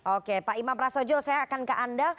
oke pak imam prasojo saya akan ke anda